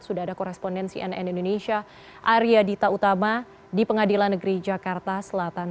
sudah ada korespondensi nn indonesia arya dita utama di pengadilan negeri jakarta selatan